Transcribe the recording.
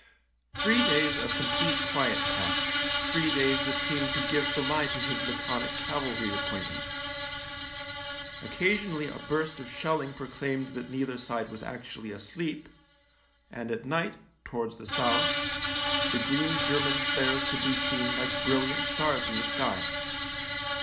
Three days of complete quiet passed —■ three days that seemed to give the lie to his laconic cavalry acquaintance. Occasionally a burst of shelling proclaimed that neither 16 THE LIEUTENANT side was actually asleep, and at night, towards the south, the green German flares could be seen like brilliant stars in the sky.